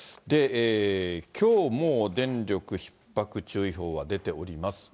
きょうも電力ひっ迫注意報は出ております。